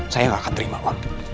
saya gak akan terima waktu